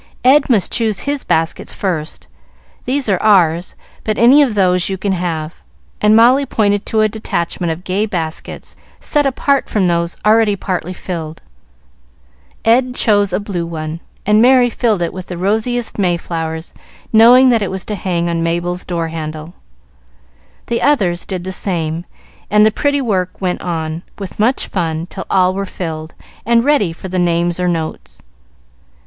"Ed must choose his baskets first. These are ours; but any of those you can have;" and Molly pointed to a detachment of gay baskets, set apart from those already partly filled. Ed chose a blue one, and Merry filled it with the rosiest may flowers, knowing that it was to hang on Mabel's door handle. The others did the same, and the pretty work went on, with much fun, till all were filled, and ready for the names or notes.